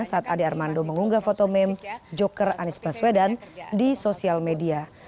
saat ade armando mengunggah foto meme joker anies baswedan di sosial media